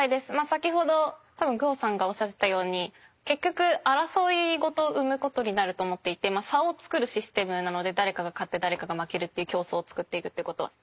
先ほどグオさんがおっしゃっていたように結局争いごとを生むことになると思っていて差を作るシステムなので誰かが勝って誰かが負けるっていう競争を作っていくっていうことは。